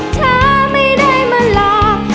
เธอไม่ได้มาหลอก